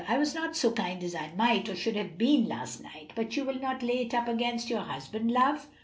"I was not so kind as I might, or should have been last night, but you will not lay it up against your husband, love?"